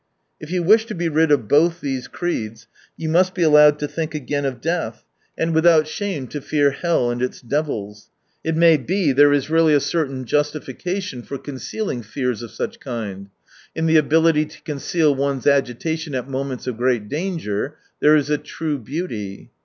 If you wish to be rid of both these creeds you must be allowed to think again of death, and without shame to fear hell and its devils. It may be there is really 82 a certain justification for concealing fears of such kind : in the ability to conceal one's agitation at moments of great danger there is a true beauty.